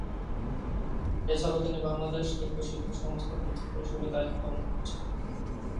এছাড়াও তিনি বাংলাদেশ নৃত্যশিল্পী সংস্থার উপদেষ্টা হিসেবে দায়িত্ব পালন করছেন।